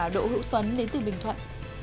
đỗ hữu tuấn đến từ bình thuận